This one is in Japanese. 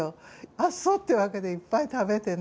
あっそうっていうわけでいっぱい食べてね